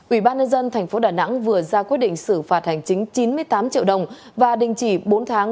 ủy ban nhân dân tp đà nẵng vừa ra quyết định xử phạt hành chính chín mươi tám triệu đồng và đình chỉ bốn tháng